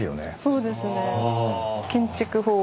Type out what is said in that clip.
そうですね。